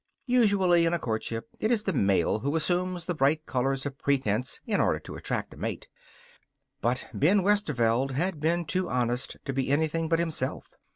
Usually in a courtship it is the male who assumes the bright colors of pretense in order to attract a mate. But Ben Westerveld had been too honest to be anything but himself.